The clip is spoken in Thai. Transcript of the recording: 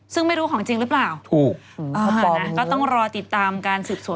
ซึ่งไม่รู้ของจริงหรือเปล่าถูกนะก็ต้องรอติดตามการสืบสวน